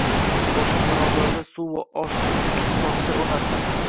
Boshim barobarida suv va osh-tuz uchun tokcha o`rnatdim